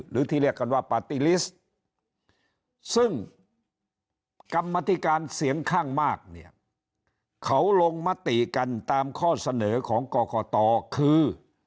หรือที่เรียกกันว่าปาร์ตี้ลิสต์ซึ่งกรรมธิการเสียงข้างมากเนี่ยเขาลงมติกันตามข้อเสนอของกรกตคือ